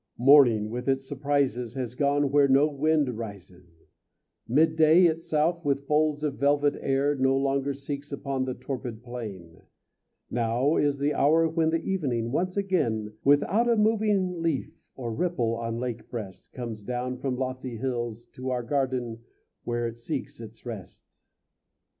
Morning with its surprises Has gone where no wind rises; Midday itself with folds of velvet air No longer sinks upon the torpid plain; Now is the hour when the evening once again Without a moving leaf or ripple on lake breast, Comes down from lofty hills To our garden where It seeks its rest.